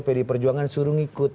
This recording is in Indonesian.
pdi perjuangan suruh ngikut